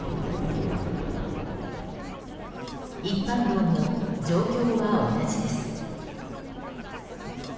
一般道も、状況は同じです。